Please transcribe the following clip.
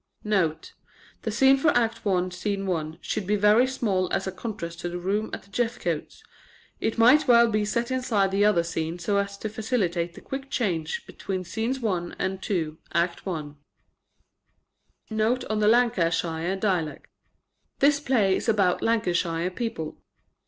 NOTE. The scene for Act I., Scene 1, should be very small, as a contrast to the room at the Jeffcotes'. It might well be set inside the other scene so as to facilitate the quick change between Scenes 1 and 2, Act I. NOTE ON THE LANCASHIRE DIALECT This play is about Lancashire people.